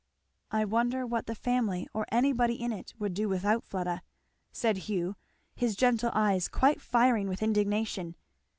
"I wonder what the family or anybody in it would do without Fleda!" said Hugh, his gentle eyes quite firing with indignation.